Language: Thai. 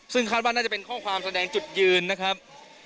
ซึ่งคาดว่าน่าจะเป็นข้อความแสดงจุดยืนนะครับ